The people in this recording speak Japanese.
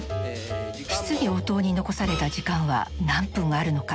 質疑応答に残された時間は何分あるのか。